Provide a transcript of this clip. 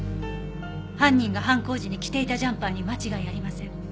犯人が犯行時に着ていたジャンパーに間違いありません。